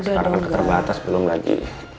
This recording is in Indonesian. sekarang kan terbatas belum lagi